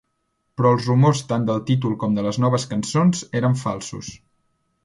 Però els rumors tant del títol com de les noves cançons eren falsos.